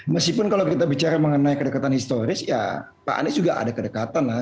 meskipun kalau kita bicara mengenai kedekatan historis ya pak anies juga ada kedekatan lah